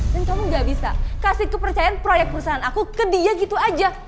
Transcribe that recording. dan kamu enggak bisa kasih kepercayaan proyek perusahaan aku ke dia gitu aja